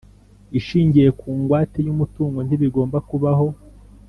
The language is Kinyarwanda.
ishingiye ku ngwate y umutungo ntibigomba kubaho